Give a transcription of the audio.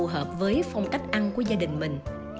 hợp với phong cách ăn của gia đình mình